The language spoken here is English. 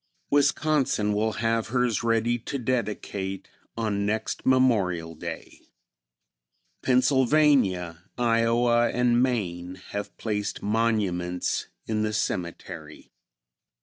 Wisconsin will have hers ready to dedicate on next Memorial Day. Pennsylvania, Iowa and Maine have placed monuments in the cemetery.